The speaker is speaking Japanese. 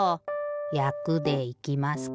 「やく」でいきますか。